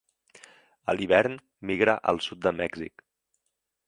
A l'hivern, migra al sud de Mèxic.